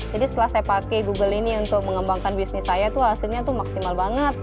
jadi setelah saya pakai google ini untuk mengembangkan bisnis saya hasilnya maksimal sekali